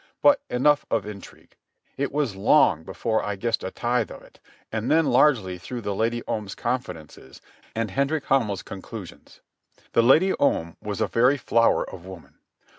But enough of intrigue. It was long before I guessed a tithe of it, and then largely through the Lady Om's confidences and Hendrik Hamel's conclusions. The Lady Om was a very flower of woman.